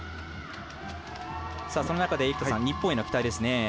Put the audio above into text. その中で、生田さん日本への期待ですね。